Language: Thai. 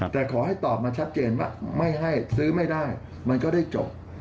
แต่ขอให้ตอบมาชัดเจนว่าไม่ให้ซื้อไม่ได้มันก็ได้จบ